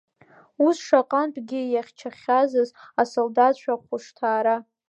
Ус шаҟантәгьы иахьчахьазыз асолдаҭцәа ҳхәышҭаара!